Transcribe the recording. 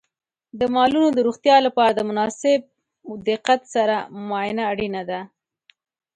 د مالونو د روغتیا لپاره د مناسب دقت سره معاینه اړینه ده.